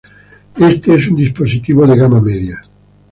Este es un dispositivo de gama media.